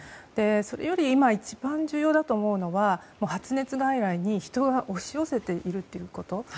それより今一番重要だと思うのは発熱外来に人が押し寄せているということ。